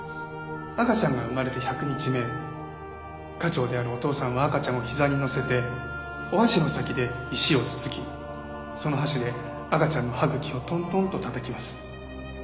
赤ちゃんが生まれて１００日目家長であるお父さんは赤ちゃんをひざにのせてお箸の先で石をつつきその箸で赤ちゃんの歯茎をトントンとたたきます。